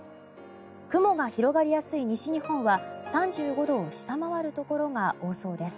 雲が広がりやすい西日本は３５度を下回るところが多そうです。